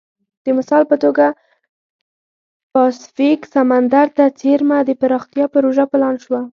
د مثال په توګه پاسفیک سمندر ته څېرمه د پراختیا پروژه پلان شوه.